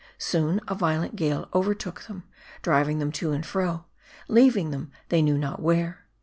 Soon, a violent gale overtook them ; driving them to and fro ; leaving them they knew not where.